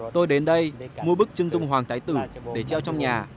tôi đến đây mua bức chân dung hoàng tái tử để treo trong nhà